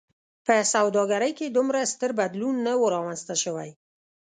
په سوداګرۍ کې دومره ستر بدلون نه و رامنځته شوی.